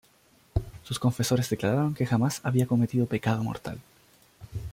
Sus confesores declararon que jamás había cometido pecado mortal.